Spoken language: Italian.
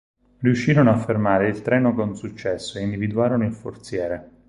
Riuscirono a fermare il treno con successo e individuarono il forziere.